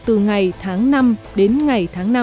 từ ngày tháng năm đến ngày tháng năm